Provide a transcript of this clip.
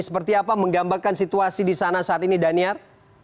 seperti apa menggambarkan situasi di sana saat ini daniar